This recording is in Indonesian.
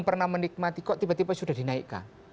pernah menikmati kok tiba tiba sudah dinaikkan